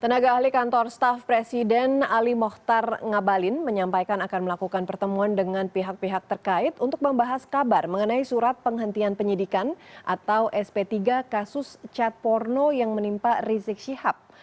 tenaga ahli kantor staff presiden ali mohtar ngabalin menyampaikan akan melakukan pertemuan dengan pihak pihak terkait untuk membahas kabar mengenai surat penghentian penyidikan atau sp tiga kasus cat porno yang menimpa rizik syihab